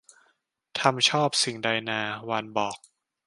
ทำชอบสิ่งใดนา วานบอก